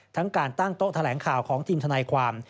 ทั้งการตั้งโต๊ะแถลงข่าวของทีมทนายความ